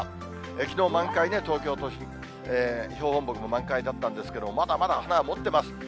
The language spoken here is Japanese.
きのう満開ね、東京都心、標本木も満開だったんですけれども、まだまだ花はもっています。